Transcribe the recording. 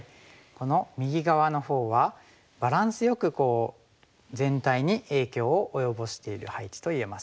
この右側のほうはバランスよく全体に影響を及ぼしている配置と言えます。